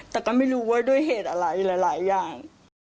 แต่ก็ไม่รู้ว่าด้วยเหตุอะไรหลายอย่าง